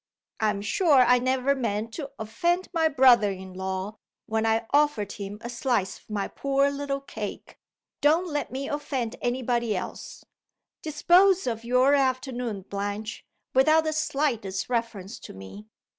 I'm sure I never meant to offend my brother in law when I offered him a slice of my poor little cake. Don't let me offend any body else. Dispose of your afternoon, Blanche, without the slightest reference to me.